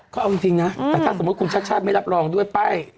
ก็เอาจริงจริงนะอืมแต่ถ้าสมมุติคุณชักชาติไม่รับรองด้วยป้าย